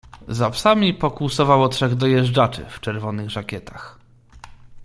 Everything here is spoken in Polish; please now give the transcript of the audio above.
"Za psami pokłusowało trzech dojeżdżaczy w czerwonych żakietach."